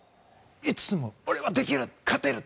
いつも、俺はできる、勝てる！